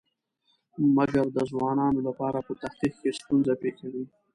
مګر د ځوانانو لپاره په تحقیق کې ستونزه پېښوي.